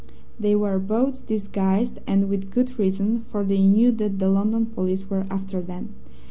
"They were both disguised, and with good reason, for they knew that the London police were after them.